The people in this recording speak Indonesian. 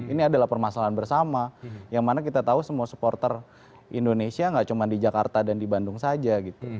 ini adalah permasalahan bersama yang mana kita tahu semua supporter indonesia nggak cuma di jakarta dan di bandung saja gitu